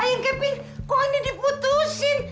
ah ayang captain kok ani diputusin